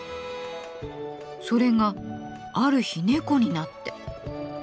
それがある日猫になって。